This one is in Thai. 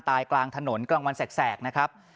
กลางถนนกลางวันแสกนะครับ